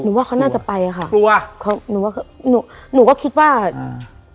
ว่าเขาน่าจะไปอ่ะค่ะกลัวเขาหนูว่าหนูหนูก็คิดว่าอืม